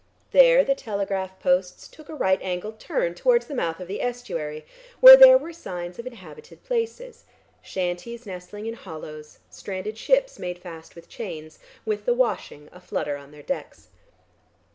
There the telegraph posts took a right angled turn towards the mouth of the estuary, where there were signs of inhabited places, shanties nestling in hollows, stranded ships made fast with chains, with the washing a flutter on their decks.